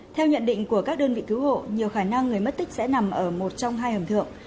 theo nhận định của các đơn vị cứu hộ nhiều khả năng người mất tích sẽ nằm ở một trong hai hầm thượng